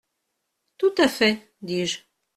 Tout à fait, dis-je.